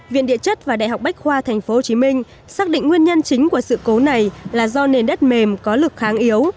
viện địa chất và đại học bách khoa thành phố hồ chí minh xác định nguyên nhân chính của sự cố này là do nền đất mềm có lực kháng yếu